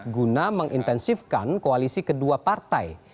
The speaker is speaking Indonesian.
guna mengintensifkan koalisi kedua partai